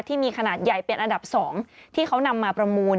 ที่มีขนาดใหญ่เป็นอันดับ๒ที่เขานำมาประมูล